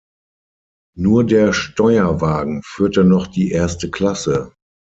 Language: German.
Nur der Steuerwagen führte noch die erste Klasse.